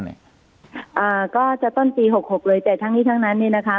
อ่าก็จะต้นปี๖๖เลยแต่ทั้งนี้ทั้งนั้นนะคะ